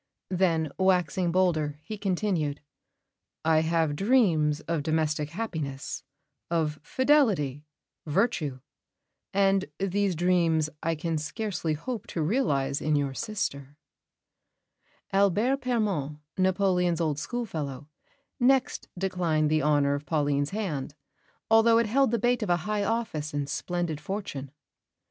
Then, waxing bolder, he continued: "I have dreams of domestic happiness, of fidelity, virtue; and these dreams I can scarcely hope to realise in your sister." Albert Permon, Napoleon's old schoolfellow, next declined the honour of Pauline's hand, although it held the bait of a high office and splendid fortune.